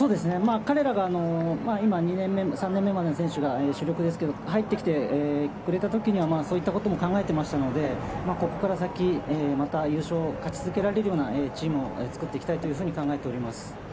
彼らが今、２年目、３年目までの選手が主力ですけど入ってきてくれたときには、そういったことも考えていましたので、ここから先、また優勝、勝ち続けられるようなチームを考えていきたいと思います。